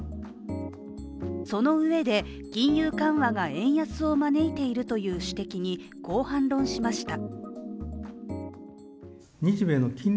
そのうえで、金融緩和が円安を招いているという指摘に、こう反論しました。